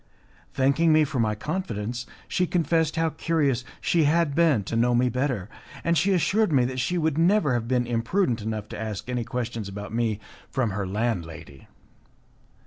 Thanking me for my confidence, she confessed how curious she had been to know me better, and she assured me that she would never have been imprudent enough to ask any questions about me from her landlady.